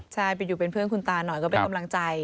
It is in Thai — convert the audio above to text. ใช่ไปอยู่เป็นเพื่อนคุณตาหน่อยก็เป็นกำลังใจ